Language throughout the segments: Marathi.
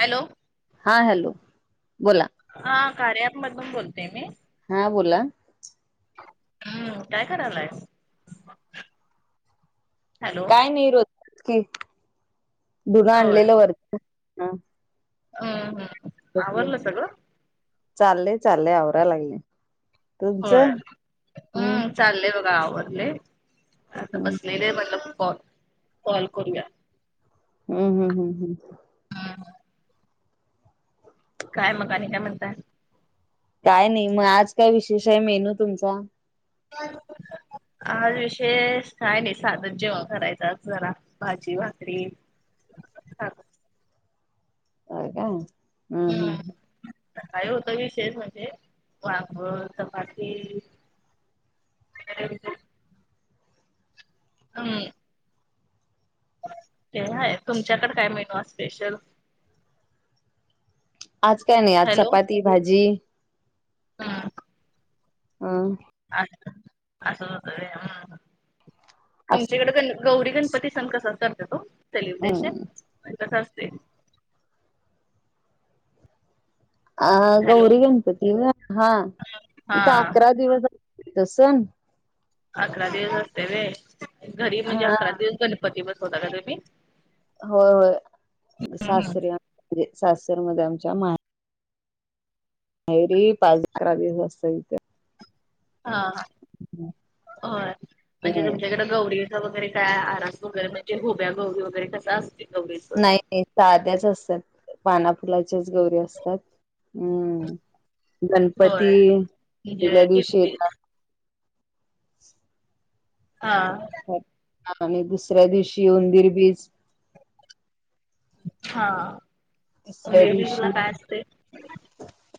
हॅलो हा हॅलो बोला हा कार्या ॲप मधून बोलतय मी. हा बोला. हम्म काय करायलाय? हॅलो काय नाही रत कि धुन होय आणलेलं वर हम्म हम्म आवरलं सगळं? चाललेय चालले आवरा लागले होय तुमचं हम्म चाललेय बघा आवरले आता हम्म बसलेले म्हटल कॉल कॉल करूया हम्म हम् हम हम् हा काय मकाने काय म्हणत काय नाही मग आज काय विशेष आहे मेनू तुमचा आज विशेष काय नाही साधच जेवण करायचंच जरा भाजी भाकरी अ का हम् हम्म काय होता विषय म्हणजे वांग चपाती ह हम् तेय तुमच्याकडे काय मिेनू स्पेशल आज काय नाही आज चपाती भाजी हा हं अ असत ह अस तुमच्याकडे गौरी गणपती सण कसा करत तो सेलिब्रेशन हम्म कस असते अ हॅलो गौरी गणपती हा हा इथं अकरा दिवस त अकरा दिवस असते होय घरी म्हणजे हा अकरा दिवस गणपती बसवता का तुम्ही होय होय सासरी सासरी मध्ये आमच्या मा नई रे... पाच... अकरा दिवस असतं इथं हा हा... ते होय... म्हणजे तुमच्याकडे गौरी वगैरे काय... आरास वगैरे... म्हणजे उभ्या गौरी वगैरे... तसं असतंय गौरीचं? नाई नाई... साध्याच असतात... पाना फुलाच्याच... गौरी असतात हम्म... गणपती होय म्हणजे ज्या दिवशी किती येतात हा आणि दुसऱ्या दिवशी उंदीर बीज हा... तिसऱ्या उंदीर बीजला दिवशी काय असतंय?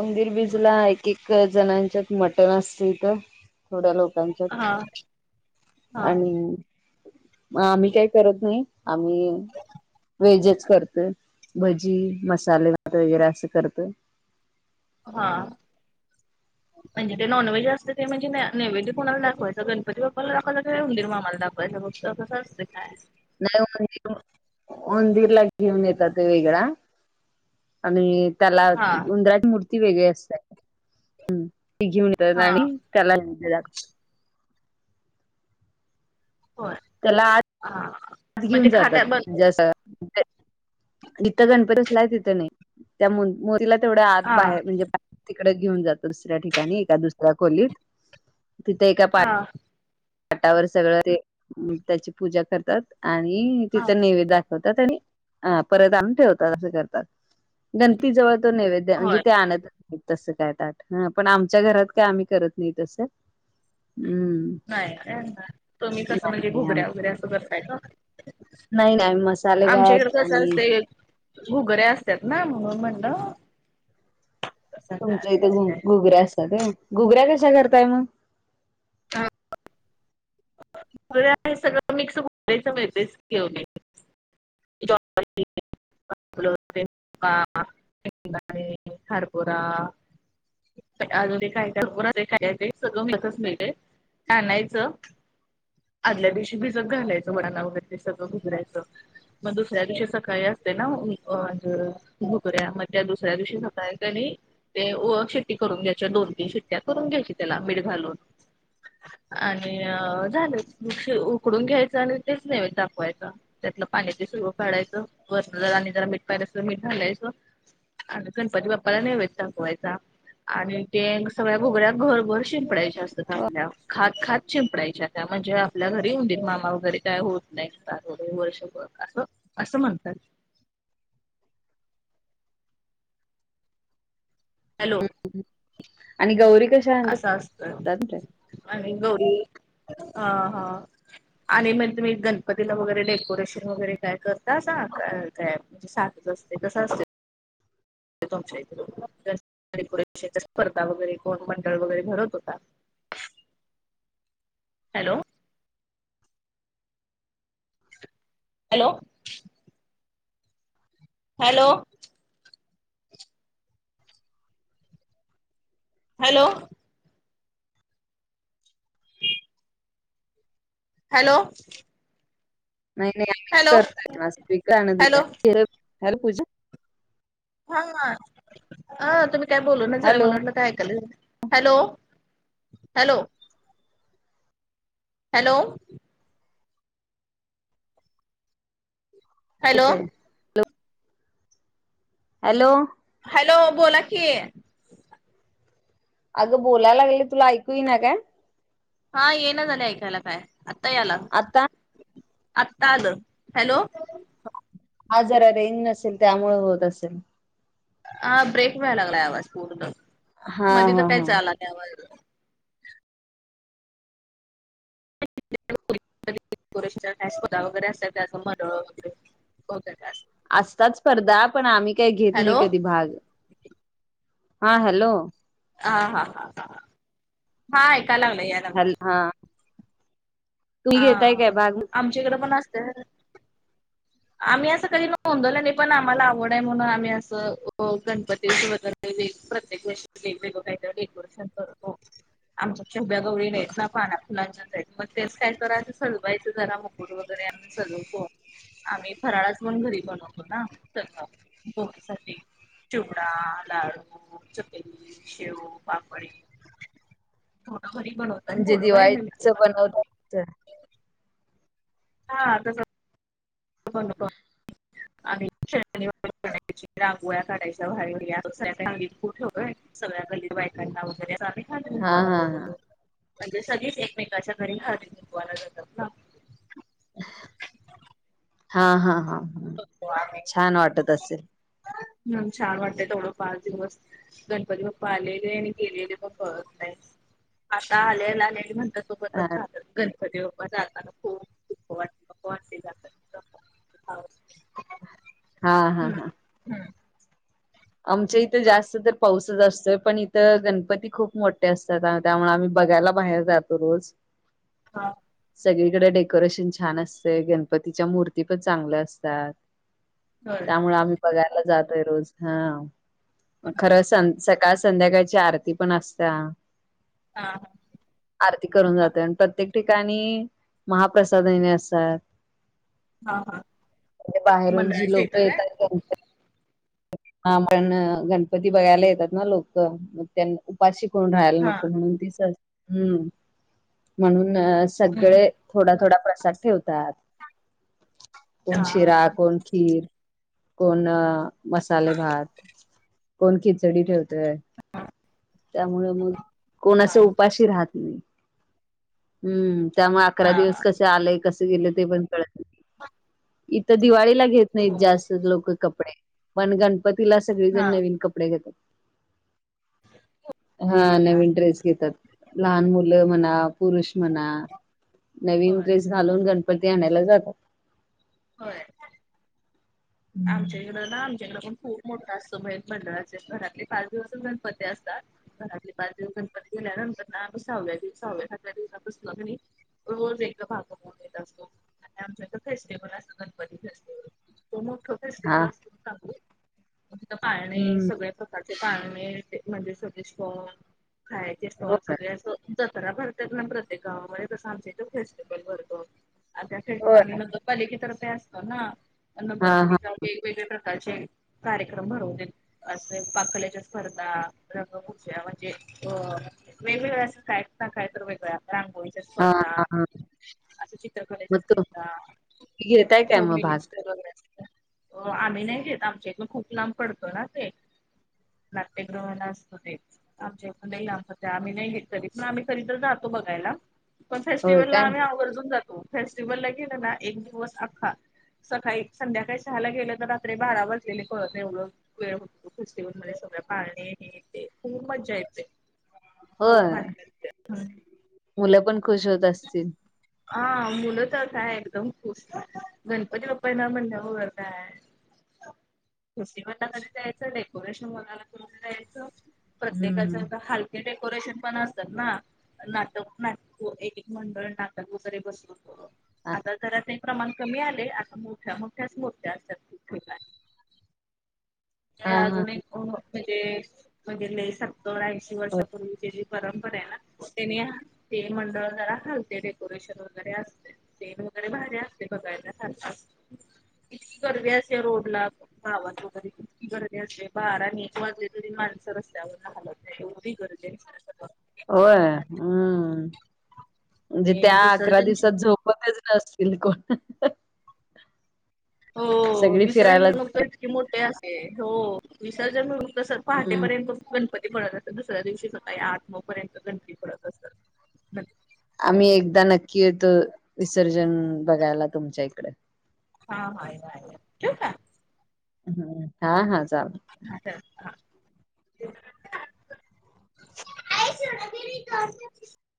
उंदीर बीजला... एक एक जणांच्यात मटण असतं इथं... थोडया लोक हा कांच्यात हा आणि... मग आम्ही काही करत नाई आम्ही.. वेजच करतोय. भजी... मसाले भात वगैरे असं करतोय. हा म्हणजे ते नॉनव्हेज असते ते... म्हणजे नैवेद कोणाला दाखवायचा... गणपती बाप्पाला दाखवायला, की उंदीर मामाला दाखवायचा मग तसंच असतं काय नाई उंदीरला... ऊंदीरला घेऊन येतात वेगळा आणि... त्याला हा उंदराची मूर्ती वेगळी असते... हूं... ती घेऊन त्येला हा आणि त्याला नैवद्य दाखव होय त्याला आज हा मग घेऊन ते जातात खाता बन [unintelligible] तिथं गणपती असलाय तिथं नई... त्या मू... मूर्तीला तेवढ्या आत हा बाहेर म्हणजे तिकडं घेऊन जातात... दुसऱ्या ठिकाणी... एका दुसऱ्या खोलीत... तिथे एका हा त्यावर सगळं ते... त्याची पूजा करतात आणि हा तिथं नैवद्य दाखव वतात आणि अ... परत आणून ठेवतात असं करतात गणपीजवळ तो नैवेद्य म्हणजे होय ते आणत तसं काय ताट... हा... पण आमच्या घरात काय आम्ही करत नाही तसं... हम्म नाय का असं तुम्ही कसं... नाही म्हणजे नाही आम्ही घुगऱ्या वगैरे असं करताय का... नाही नाही आम्ही मसाले भात आमच्याकडं कसं आणि असतय... घुगऱ्या असतात ना... म्हणून म्हणलं कसं काय तुमच्या इथं घु... असते घुगऱ्या असतात व्हय... घुगऱ्या कशा करताय मग [unintelligible] [unintelligible] सगळं मिक्स [unintelligible] जॉब करते मी [unintelligible] हरभोरा अजून काय सगळंच. कानायचं... आदल्या दिवशी भिजत घालायचं वडाना वगैरे ते सगळं घुगऱ्याचं मग दुसऱ्या दिवशी सकाळी असतंय ना घुगऱ्या... मग त्या दुसऱ्या दिवशी सकाळी कनी ते [unintelligible] शेट्टी करून घ्यायच्या... दोन तीन शेट्ट्या करून घ्यायची त्याला.. मीठ घालून आणि झालं [unintelligible] उकडून घ्यायचं आणि तेच नैवद दाखवायचा त्यातलं पाणी ते सर्व काढायचं... वरनं जरा आणि जरा मीठ पाहिजे असल तर मीठ घालायचं आणि गणपती बाप्पाला नैवेद दाखवायचा आणि ते सगळ्या घुगऱ्या घरभर शिंपडायच्या असतात हो आणि ल्या खात खात शिंपडायच्या त्या... म्हणजे आपल्या घरी उंदीर मामा वगैरे काय होत नई होतात वैगरे वर्षभर... असं... असं म्हणतात. हॅलो आणि गौरी कशी? असं असतंय... आणि गोरी... हा... हा आणि मग तुम्ही गणपतीला वगैरे... डेकोरेशन वगैरे काय करतासा काय? म सातच असतय कस असतय. तुमच्या इथ [unintelligible] स्पर्धा वगैरे कोण मंडळ वगैरे भरवत का? Hello hello hello hello hello नाय नाय आम्हीच हॅलो हॅलो करतय [unintelligible] पूजा हा हा तुम्ही काय बोलू ना झाला हॅलो मला वाटलं काय ऐकाल हॅलो हॅलो हॅलो हॅलो येतय. हॅलो हॅलो बोला की, अगं बोलायला लागले तुला ऐकू येईना काय हा ये ना झालय ऐकायला काय आत्ता याला आता आता आल हॅलो हा जरा रेंज नसेल त्यामुळे होत असेल. हा ब्रेक व्हायला लागलाय आवाज पूर्ण हा मधे तर हा हा कायचं आला नाय आवाज [inaudible] वगैरे असं कां मनोरे वगैरे होत कांय असं असतात स्पर्धा पण आम्ही काय घेत हॅलो नाही कधी भाग, हा हॅलो- आ हा हा हा मां ऐकायला लागलंय यायला बल हा तुम्ही आ घेताय काय भाग आमच्या इकड पण असतय. आम्ही असं कधी नोंदवलं नाय पण आम्हाला आवड आहे म्हणून आम्ही असं अ गणपतीत वगैरे प्रत्येक वर्षी वेगवेगळं कायतरी डेकोरेशन करतो. आमच्यात उभ्या गवरी नाय ना पानाफुलांच्याचं आहेत मग तेच काय करायच सजवायचं जरा म फूड वगैर आणून सजवतो आम्ही फराळच पण घरी बनवतो ना तर मग भोगिसाठी चिवडा, लाडू, चकली, शेव, पापडी होनं घरी बनवतो आणि म्हणजे थोडं दिवाळी बाहेरनं चं विकत आणतो. बनवतात तस हा तसंचं तसच होता आम्ही शेणांनी [inaudible] सारून रांगोळ्या काढायच्या बाहेर [inaudible] खूप य व्हय सगळ्या गल्लीत बायकांना वगैरे असं आम्ही- हळदी हा कुंकवाला हा हा बोलवतो म्हणजे सगळीच एकमेकाच्या घरी हळदी कुंकवाला जातात ना. हा असं हा हा हा करतो आम्ही. छान वाटत असेल. हम्म, छान वाटतेय तेवढं पाच दिवस. गणपती बाप्पा आलेले आणि गेलेले पण कळत नाहीत, आत्ता आलेले आलेले म्हणतात तो हा पर्यंत जातात गणपती बप्पा जाताना खूप दुःख वाटते नको वाटते जाताना - [unintelligible] हा हा हम्म. हा हम्म आमच्या इथं जास्त तर पाऊस असतोय पण इथ गणपती खूप मोठे असतात त्यामुळ आम्ही बघायला बाहेर जातो रोज. हा सगळीकडे डेकोरेशन छान असतय. गणपतीच्या मूर्ती पण चांगल्या असतात. हं त्यामुळे आम्ही बघायला जातोय रोज हा खरं सं सकाळ संध्याकाळची आरती पण असत्या हा. ह. आरती करून जातोय. आणि प्रत्येक ठिकाणी महाप्रसादने असतात. हा हा बाहेरून जी मंडळाशी लोक येता काय? येतात. का नाही. हा पण, गणपती बघायला येतात ना लोक. त्यांन उपाशी कोणी राहायला हा नको. म्हणून ती सहज, हम्म. म्हणुन, हम्म सगळे थोडा थोडा प्रसाद ठेवतात. हा कोण शिरा, कोण खीर, कोण अ मसाले भात. कोण खिचडी ठेवतय. त्यामुळ मग कोण हा असं उपाशी राहत नाही, हम्म. त्यामुळे अकरा हा दिवस कस आलय कस गेलंय ते पण कळत नाही. इथ दिवाळीला घेत नाहीत हो जास्त लोक कपडे. पण गणपतीला हा सगळेजण नवीन कपडे घेतात. हा नवीन ड्रेस घेतात. लहान मुलं म्हणा पुरुष म्हणा. नवीन होय ड्रेस घालून गणपती आणायला जातात. होय. आमच्या इडं ना, आमच्याकडे पण खुप मोठा असतो मेन मंडळाचे. घरातले पाच दिवस च गणपती असतात. घरातले पाच दिवस गणपती गेल्या नंतर ना. सहाव्या दिवसा, सहाव्या -सातव्या दिवसा पासून कनी रोज एक भाग बून येत असतो. आणि आमच्या इथ फेस्टिवल असतं. गणपती हा फेस्टिव्ह असते. [unintelligible] म तीथ पाळणे, सगळ्यां प्रकारचें पाळणे. ते म्हणजे [unintelligible] खायचे हो स्टॉल का सगळे असं. जत्रा भरतात ना प्रत्येक गावांमध्ये. तसं आमच्या इथं फेस्टिवल भरतो आम्ही. [unintelligible] नगरपालिके कडे असत ना. हा हा वेगवेगळ्या प्रकारचे. कार्यक्रम भरवू देत. असे पाक कलेच्या स्पर्धा. रंगभूषा म्हणजे अ वेगवेगळ्या. असं कायत न काय तरी वेगळ्या. रांगोळी च्या हा हा स्पर्धा. हा असं चित्रकलेच्या स्पर्धा. घेता य काय मग भाग? हो. आम्ही नाही घेत. आमच्या इकून खूप लांब पडतो ना ते. नाट्यगृहानां असत ते. आमच्या इथ लई लाबपडत्य. आम्ही नाही घेत कधीच. तरी पण आम्ही खरी तर जातो बघायला. पण होय फेस्टिवलला काय आम्हीं आवर्जून जातो. फेस्टिवल ला गेलोनां. एक दिवस अग हा. सकाळी संध्याकाळी सहाला गेलं त. रात्री बारा वाजलेले कळतं एवढं वेळ होतं. फेस्टिवल मध्यें. सगळं पाळणे हे ते. खूप मजा येते. खूप होय. भारी वाटते. मुलं पणं खुश होतं असतील. हा मुलं त काय. एकदंत खुश. गणपती बाप्पां येनार म्हणल्यावर काय. मूर्ती बघायला कधी जायचं. डेकोरेशन बघायला कधी जायचं. प्रत्येकांच हम्म एवढ हाल. ते डेकोरेशन पणं असतांत नां. नाटक नाटक एक एक मंडळ नाटक वगैरे बसवून हा आता जरा ते प्रमाण कमी आले. आता मोठ्या मोठ्यांच् मुर्त्या असतांत खूप ठिकाणी. हा अजून एक म्हणजे, म्हणजे लई सत्तर ऐंशी वर्षापूर्वी तेची परंपराय ना. त्यांनी हा ते मंडळ जरा खालते डे डेकोरेशन वगैरे असते. स्टेज वगैरे भारी असतें बघायला. [unintelligible] ईतकी गर्दी असतें रोडला. गावात वगैरे कीती गर्दी असतें. बारान एक वाजले तरी, माणसं रस्त्यावरन हालत नाही. ऐवढी गर्दी होय, हम्मं. म्हणजे त्या अकरा विसर्जनची दिवसांत. झोपा काय नतील कोणं. हो विसर्जन. मी मगु त जातात इतकीे मोठे गर्दी असते. हो विसर्जन तसं हम्म पहाटेपर्यंत गण गणपती पडतं असतात. दुसऱ्या दिवशी स्वकाळी आठ नऊ पर्यंत गणती पडतं असतांत. आम्हीं एकदा नक्की येतो विसर्जन बघायला तुमच्यां इकड. हां हा या या, ठेउ का! हां हां चला. [unintelligible] [inaudible]